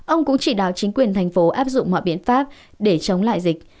ông cũng chỉ đạo chính quyền thành phố áp dụng mọi biện pháp để chống lại dịch